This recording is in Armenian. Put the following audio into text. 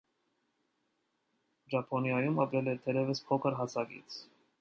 Ճապոնիայում ապրել է դեռևս փոքր հասակից։